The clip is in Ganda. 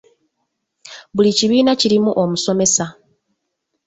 Buli kibiina kirimu omusomesa.